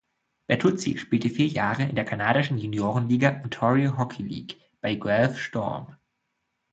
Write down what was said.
Bertuzzi spielte vier Jahre in der kanadischen Juniorenliga Ontario Hockey League bei Guelph Storm.